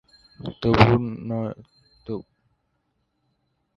তবু, নন্দ হয়তো বিন্দুকে ভালোবাসে।